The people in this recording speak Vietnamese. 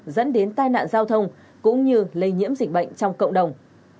dẫn đến tai nạn giao thông cũng như lây nhiễm dịch bệnh trong cộng đồng